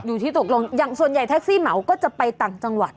อยู่ที่ตกลงอย่างส่วนใหญ่แท็กซี่เหมาก็จะไปต่างจังหวัด